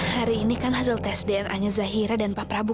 hari ini kan hasil tes dna nya zahira dan pak prabu